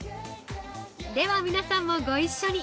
では、皆さんもご一緒に。